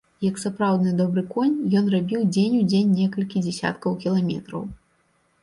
Як сапраўдны добры конь, ён рабіў дзень у дзень некалькі дзесяткаў кіламетраў.